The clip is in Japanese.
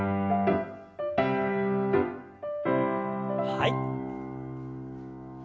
はい。